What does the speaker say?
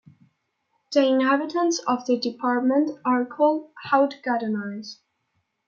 The inhabitants of the department are called "Haut-Garonnais".